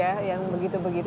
iya yang begitu begitu